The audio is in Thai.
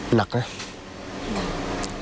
หนักเลย